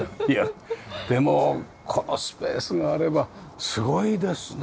でもこのスペースがあればすごいですね。